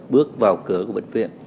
bước vào cửa của bệnh viện